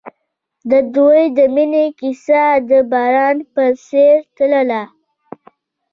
د دوی د مینې کیسه د باران په څېر تلله.